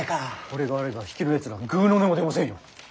これがあれば比企のやつらぐうの音も出ませんよ。